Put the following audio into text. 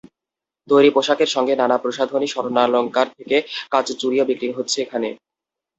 তৈরি পোশাকের সঙ্গে নানা প্রসাধনী, স্বর্ণালংকার থেকে কাচের চুড়িও বিক্রি হচ্ছে এখানে।